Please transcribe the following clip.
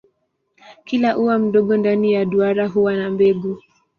Kila ua mdogo ndani ya duara huwa na mbegu.